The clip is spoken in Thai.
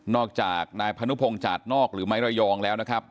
นอกจากนายพนุพงศ์จากนอกหรือไม้ระยองแล้ว